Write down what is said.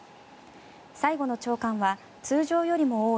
最後の朝刊は通常よりも多い